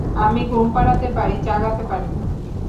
আমি ঘুম পাড়াতে পারি, জাগাতে পারি না।